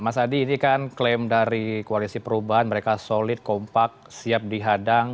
mas adi ini kan klaim dari koalisi perubahan mereka solid kompak siap dihadang